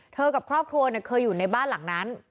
กับครอบครัวเคยอยู่ในบ้านหลังนั้น